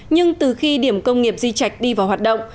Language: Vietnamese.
nhưng từ khi điểm công nghiệp di chạch đi vào hoạt động